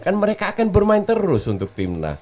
kan mereka akan bermain terus untuk tim nas